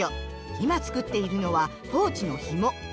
今作っているのはポーチのひも。